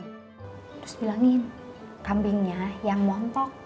terus bilangin kambingnya yang montok